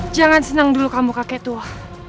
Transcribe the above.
jangan senang dulu kamu kakek tua